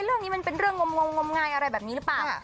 เรื่องนี้มันเป็นเรื่องงมงมงายอะไรแบบนี้หรือเปล่า